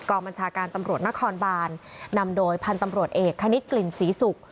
บัญชาการตำรวจนครบานนำโดยพันธุ์ตำรวจเอกคณิตกลิ่นศรีศุกร์